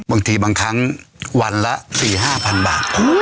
บางทีบางครั้งวันละ๔๕๐๐๐บาท